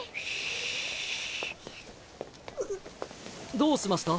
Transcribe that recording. どうしました？